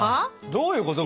どういうこと？